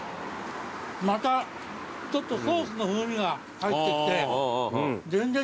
またちょっとソースの風味が入ってきて全然違う味わい。